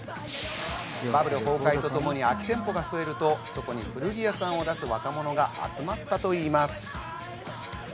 バブル崩壊とともに空き店舗が増えると、そこに古着屋さんを出す若者が集まったといいます。